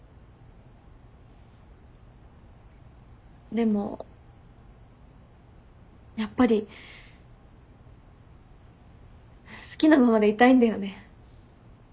でもやっぱり好きなままでいたいんだよね。